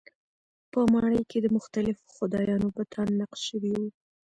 په ماڼۍ کې د مختلفو خدایانو بتان نقش شوي وو.